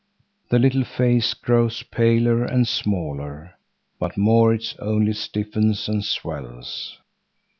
The little face grows paler and smaller, but Maurits only stiffens and swells.